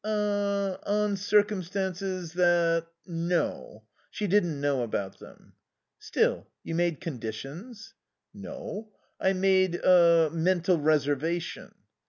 "Er on circumstances that No. She didn't know about them." "Still, you made conditions?" "No. I made a mental reservation."